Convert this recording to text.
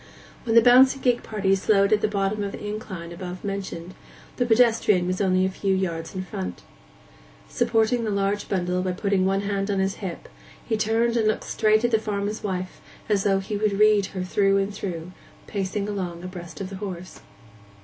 When the bouncing gig party slowed at the bottom of the incline above mentioned, the pedestrian was only a few yards in front. Supporting the large bundle by putting one hand on his hip, he turned and looked straight at the farmer's wife as though he would read her through and through, pacing along abreast of the horse.